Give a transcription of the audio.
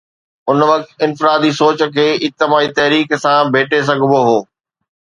ان وقت انفرادي سوچ کي اجتماعي تحريڪ سان ڀيٽي سگهبو هو.